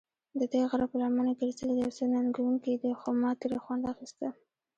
ددې غره پر لمنه ګرځېدل یو څه ننګوونکی دی، خو ما ترې خوند اخیسته.